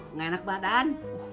nggak enak badan